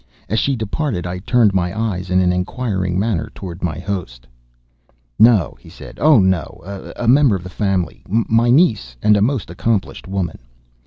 As she departed I turned my eyes in an inquiring manner toward my host. "No," he said, "oh, no—a member of my family—my niece, and a most accomplished woman."